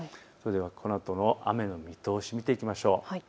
このあとの雨の見通しを見ていきましょう。